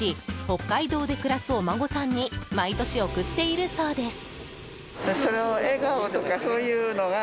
北海道で暮らすお孫さんに毎年、送っているそうです。